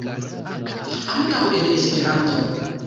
Ankaŭ en Esperanto.